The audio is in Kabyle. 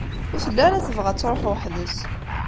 Ur telli ara tebɣa ad tṛuḥ weḥd-s.